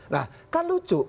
nah kan lucu